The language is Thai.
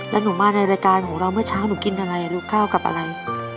แล้วหนูมาในรายการของเราเมื่อเช้าหนูกินอะไรลูกข้าวกับอะไร